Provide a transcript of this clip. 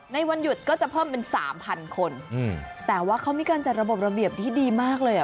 ในวันหยุดก็จะเพิ่มเป็น๓๐๐๐คนแต่ว่าเขามีการจัดระบบระเบียบที่ดีมากเลย